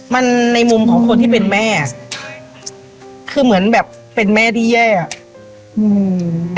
มันในมุมของคนที่เป็นแม่คือเหมือนแบบเป็นแม่ที่แย่อ่ะอืม